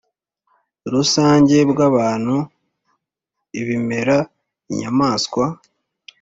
Rusange bw abantu ibimera inyamaswa